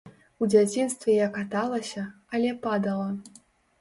У дзяцінстве я каталася, але падала.